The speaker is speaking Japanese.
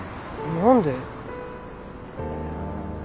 何で？